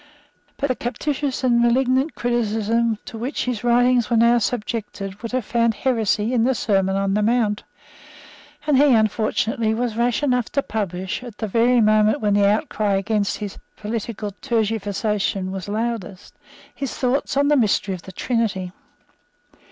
But the captious and malignant criticism to which his writings were now subjected would have found heresy in the Sermon on the Mount; and he, unfortunately, was rash enough to publish, at the very moment when the outcry against his political tergiversation was loudest, his thoughts on the mystery of the Trinity.